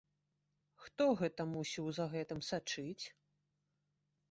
Хто гэта мусіў за гэтым сачыць?